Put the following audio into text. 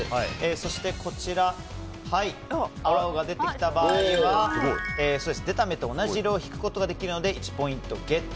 そして、青が出てきた場合は出た目と同じ色を引くことができるので１ポイントゲット。